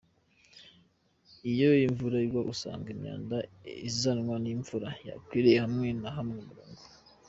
Iyo imvura igwa usanga imyanda izanwa n'imvura yakwiriye hamwe na hamwe mu ngo.